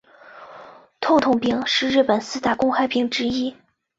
痛痛病是日本四大公害病之一。